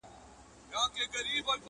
چلېدل یې په مرغانو کي امرونه.!